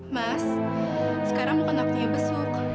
mas sekarang bukan waktunya besuk